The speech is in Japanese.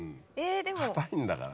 硬いんだから。